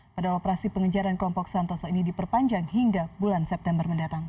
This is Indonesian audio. padahal operasi pengejaran kelompok santoso ini diperpanjang hingga bulan september mendatang